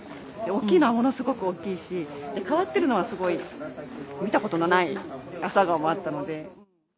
大きいのはものすごく大きいし、変わってるのは、すごい見たことのない朝顔もあったので。